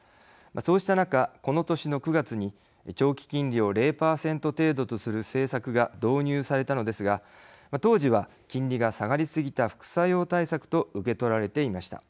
そうした中、この年の９月に長期金利を０％程度とする政策が導入されたのですが当時は金利が下がりすぎた副作用対策と受け取られていました。